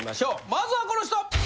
まずはこの人！